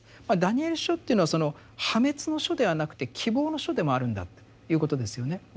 「ダニエル書」っていうのはその破滅の書ではなくて希望の書でもあるんだということですよね。